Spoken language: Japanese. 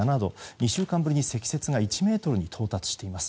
２週間ぶりに積雪が１ｍに到達しています。